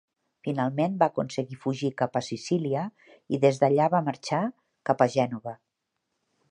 Finalment va aconseguir fugir cap a Sicília i des d'allà va marxar capa a Gènova.